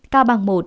cao bằng một